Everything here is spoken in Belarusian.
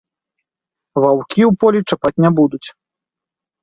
Ваўкі ў полі чапаць не будуць.